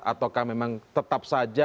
ataukah memang tetap saja